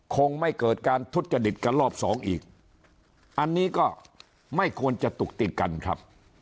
คงไม่เกิดการทุจริตกันรอบสองอีกอันนี้ก็ไม่ควรจะตุกติดกันครับ